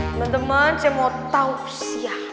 teman teman saya mau tahu siang